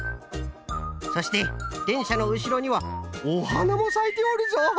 そしてでんしゃのうしろにはおはなもさいておるぞ！